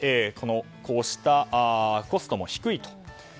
こうしたコストも低いと。